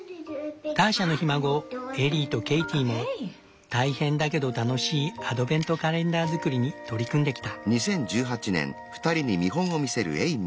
ターシャのひ孫エリーとケイティも大変だけど楽しいアドベントカレンダー作りに取り組んできた。